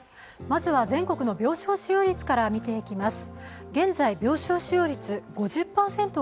まずは全国の病床使用率から見ていきます。